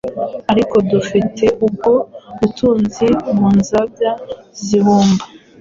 Ariko dufite ubwo butunzi mu nzabya z’ibumba,